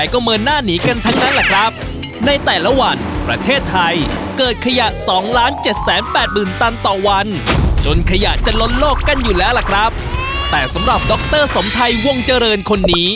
ร้านเขาจะตั้งอยู่ริมถนน